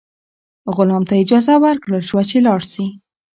غلام ته اجازه ورکړل شوه چې لاړ شي.